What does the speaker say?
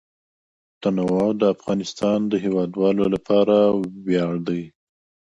تنوع د افغانستان د هیوادوالو لپاره ویاړ دی.